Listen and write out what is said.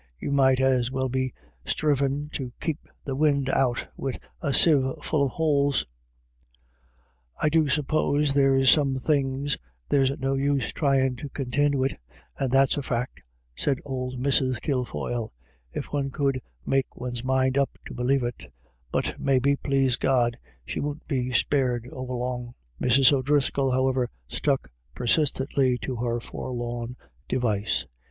You might as well be sthrivin' to keep the win' out wid a sieve full of holes." HERSELF. 155 " I do suppose there's some things there's no use tryin* to contind wid, and that's a fac'," said old Mrs. Kilfoyle, "if one could make one's mind up to believe it But maybe, plase God, she won't be spared over long." Mrs. O'Driscoll, however, stuck persistently to her forlorn device.